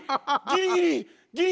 ギリギリ！